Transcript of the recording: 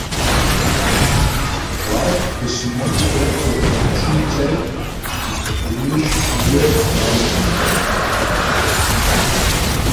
Dort besuchte er zur Grundschulzeit die Katholische Schule Neugraben.